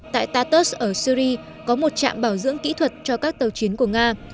tại tartus ở syri có một trạm bảo dưỡng kỹ thuật cho các tàu chiến của nga